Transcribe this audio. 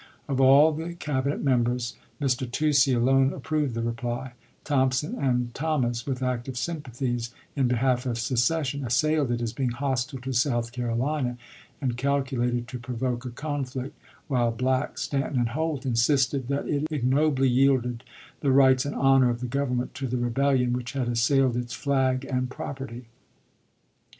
Of all the Cabinet members, Mr. Toucey alone approved the reply; Thompson and Thomas, with active sympathies in behalf of secession, assailed it as being hostile to South Carolina and calculated to provoke a conflict ; while Black, Stanton, and Holt insisted that it igno bly yielded the rights and honor of the Government says'and5" to the rebellion which had assailed its flag and pp.i3,il property.